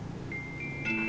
kalau saya sih begitu